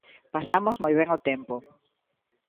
Pasamos moi ben o tempo.